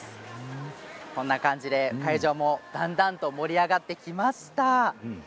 こんな感じで会場もだんだんと盛り上がってきました。